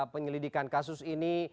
penyelidikan kasus ini